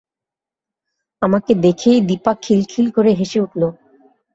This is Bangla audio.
আমাকে দেখেই দিপা খিলখিল করে হেসে উঠল।